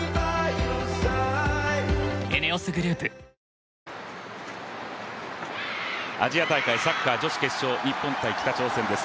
ニトリアジア大会サッカー女子決勝、日本×北朝鮮です。